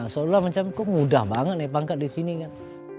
seolah olah macam kok mudah banget nih pangkat di sini kan